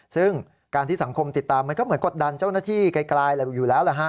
ซึ่งการที่สังคมติดตามมันก็เหมือนกดดันเจ้าหน้าที่ไกลอยู่แล้วแหละฮะ